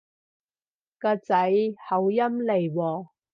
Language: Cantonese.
㗎仔口音嚟喎